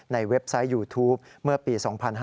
เว็บไซต์ยูทูปเมื่อปี๒๕๕๙